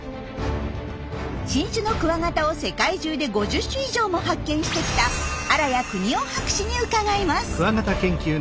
新種のクワガタを世界中で５０種以上も発見してきた荒谷邦雄博士に伺います。